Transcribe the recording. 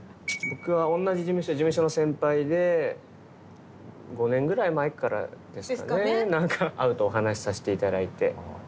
僕は同じ事務所事務所の先輩で５年ぐらい前からですかね会うとお話しさせて頂いて。